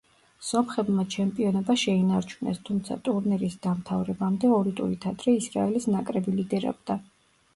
სომხებმა ჩემპიონობა შეინარჩუნეს, თუმცა ტურნირის დამთავრებამდე ორი ტურით ადრე ისრაელის ნაკრები ლიდერობდა.